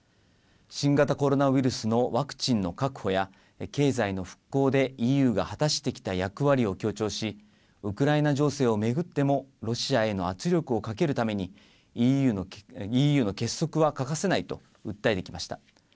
新型コロナウイルスのワクチンの確保や経済の復興でＥＵが果たしてきた役割を強調し、ウクライナ情勢を巡ってもロシアへの圧力をかけるために、ＥＵの結束は欠かせないと訴えてきました。